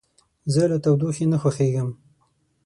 زه له تودوخې نه خوښیږم.